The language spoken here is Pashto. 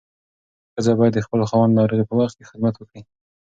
ښځه باید د خپل خاوند ناروغۍ په وخت کې خدمت وکړي.